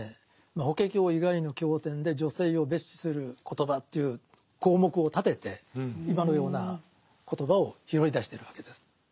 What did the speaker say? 「法華経」以外の経典で女性を蔑視する言葉という項目を立てて今のような言葉を拾い出してるわけです。